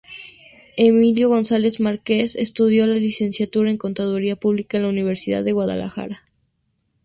Emilio González Márquez estudió la licenciatura en contaduría pública en la Universidad de Guadalajara.